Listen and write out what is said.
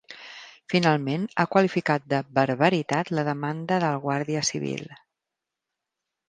Finalment, ha qualificat de ‘barbaritat’ la demanda del guàrdia civil.